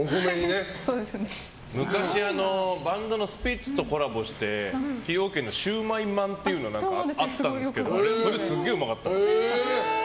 昔、バンドのスピッツとコラボして崎陽軒のシウマイまんっていうのがあったんですけどそれすげえうまかった。